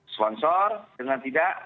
sponsor dengan tidak